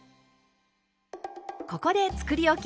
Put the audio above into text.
ここでつくりおき